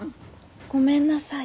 ごめんなさい。